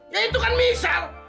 ya itu kan misal